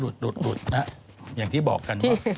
หลุดหลุดหลุดอย่างที่บอกกันว่า